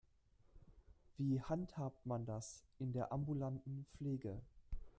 Wie handhabt man das in der ambulanten Pflege?